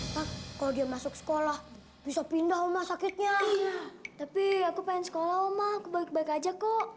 mama aku balik balik aja kok